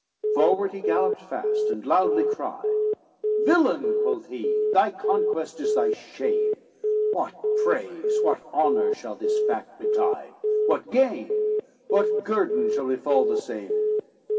XXXVII Forward he galloped fast, and loudly cried: "Villain," quoth he, "thy conquest is thy shame, What praise? what honor shall this fact betide? What gain? what guerdon shall befall the same?